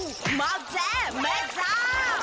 โอ้มากแจ้แม่จ้า